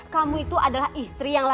kamu itu adalah istri yang lain